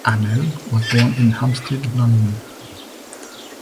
Arnell was born in Hampstead, London.